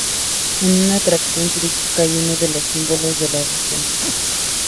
Es una atracción turística y uno de los símbolos de la región.